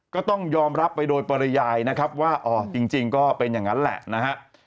ก็ต้องยอมรับไปโดยปริยายนะครับว่าอ๋อจริงก็เป็นอย่างนั้นแหละนะฮะ